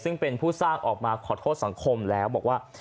ซึ่งเป็นผู้สร้างออกมาขอโทษสังคมแล้วบอกว่า